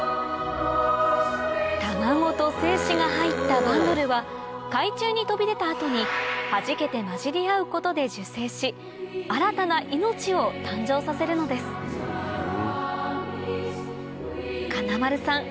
卵と精子が入ったバンドルは海中に飛び出た後にはじけて交じり合うことで受精し新たな命を誕生させるのです金丸さん